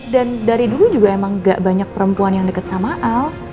dan dari dulu juga emang gak banyak perempuan yang deket sama al